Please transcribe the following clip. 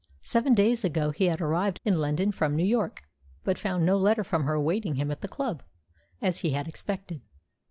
Seven days ago he had arrived in London from New York, but found no letter from her awaiting him at the club, as he had expected.